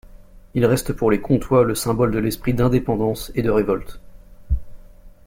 Il reste pour les Comtois le symbole de l'esprit d'indépendance et de révolte.